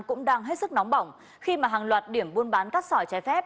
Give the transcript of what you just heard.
cũng đang hết sức nóng bỏng khi mà hàng loạt điểm buôn bán cát sỏi trái phép